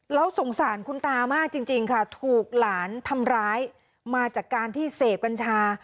แล้วสงสารคุณตามากจริงค่ะถูกหลานทำร้ายมาจากการที่เสพกัญชา